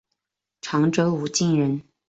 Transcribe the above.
常州武进人。